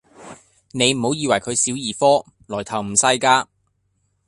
你唔好以為佢小兒科，來頭唔細架